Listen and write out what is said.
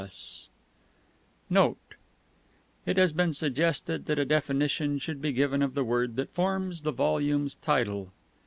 Also it has been suggested that a definition should be given of the word that forms the volume's title.